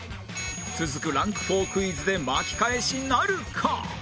続くランク４クイズで巻き返しなるか？